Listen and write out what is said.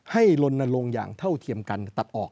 ลนลงอย่างเท่าเทียมกันตัดออก